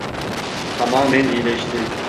Tamamen iyileşti.